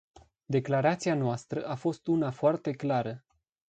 Declarația noastră a fost una foarte clară.